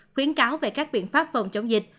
khuyến cáo về các biện pháp phòng chống dịch